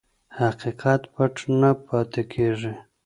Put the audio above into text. حقیقت پټ نه پاتې کېږي.